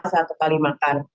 satu kali makan